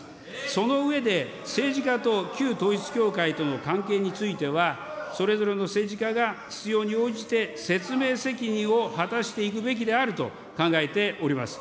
その上で、政治家と旧統一教会との関係については、それぞれの政治家が、必要に応じて説明責任を果たしていくべきであると考えております。